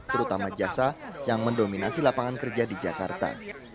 terutama jasa yang mendominasi lapangan kerja di jakarta